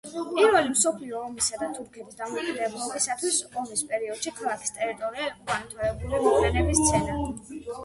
პირველი მსოფლიო ომისა და თურქეთის დამოუკიდებლობისათვის ომის პერიოდში, ქალაქის ტერიტორია იყო განვითარებული მოვლენების სცენა.